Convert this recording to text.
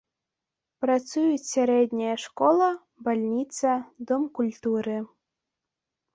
Працуюць сярэдняя школа, бальніца, дом культуры.